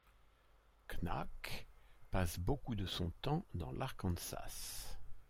Knaak passe beaucoup de son temps dans l'Arkansas.